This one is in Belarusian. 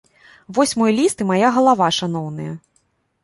Вось мой ліст і мая галава, шаноўныя.